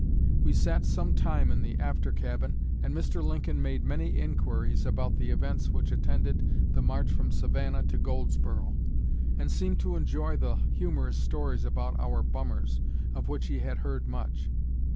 We sat some time in the after cabin, and Mr. Lincoln made many inquiries about the events which attended the march from Savannah to Goldsboro, and seemed to enjoy the humorous stories about 'our bummers,' of which he had heard much.